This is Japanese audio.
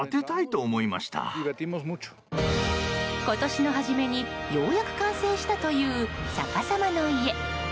今年の初めにようやく完成したという逆さまの家。